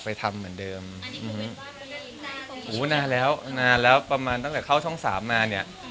แต่ว่าไม่ใช่งานอีเวนต์อย่างเดียวนะครับก็มีงานของช่องสามด้วย